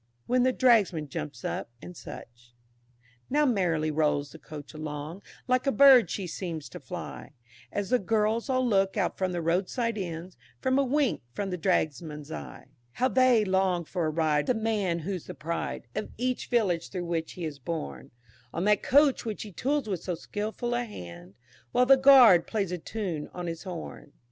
When the Dragsman jumps up, &c. Now merrily rolls the Coach along, Like a bird she seems to fly, As the girls all look out from the roadside Inns, For a wink from the Dragsman's eye, How they long for a ride with the man who's the pride Of each village through which he is borne, On that Coach which he tools with so skilful a hand, While the Guard plays a tune on his horn.